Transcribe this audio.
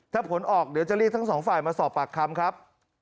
ถ้าผลออกเดี๋ยวจะเรียกทั้งสองฝ่ายมาสอบปากคำครับ